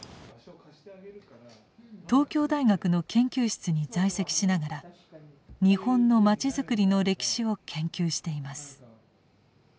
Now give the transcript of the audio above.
東京大学の研究室に在籍しながら日本のまちづくりの歴史を研究しています。